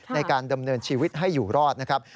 ในการดำเนินชีวิตให้อยู่รอดนะครับ